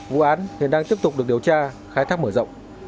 vụ án hiện đang tiếp tục được điều tra khai thác mở rộng